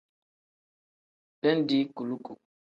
Bindi kuluku.